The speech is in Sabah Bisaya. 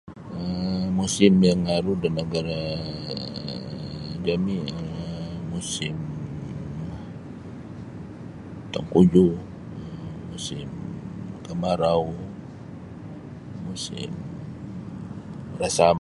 um Musim yang aru da nagara um jami um musim tangkujuh um musim kamarau musim rasam.